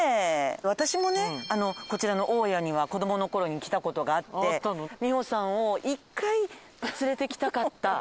私もねこちらの大谷には子供の頃に来た事があって美穂さんを一回連れてきたかった。